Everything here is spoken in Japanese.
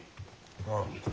ああ。